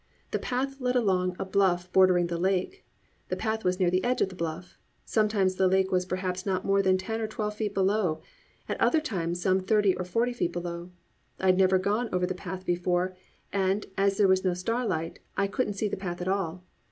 The path led along a bluff bordering the lake, the path was near the edge of the bluff. Sometimes the lake was perhaps not more than ten or twelve feet below, at other times some thirty or forty feet below. I had never gone over the path before and as there was no starlight, I couldn't see the path at all.